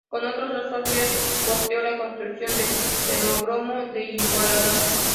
Con otros dos socios, costeó la construcción del Velódromo de Igualada.